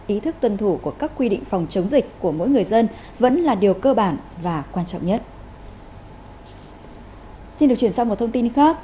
ý thức tuân thủ của các quy định phòng chống dịch của mỗi người dân vẫn là điều cơ bản và quan trọng nhất